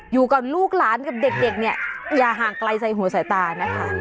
อยู่กับลูกหลานกับเด็กเนี่ยอย่าห่างไกลใส่หัวสายตานะคะ